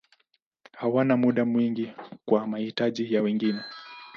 Hawana muda mwingi kwa mahitaji ya wengine.